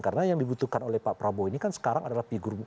karena yang dibutuhkan oleh pak prabowo ini kan sekarang adalah